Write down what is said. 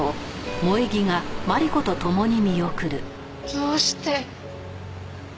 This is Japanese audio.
どうして？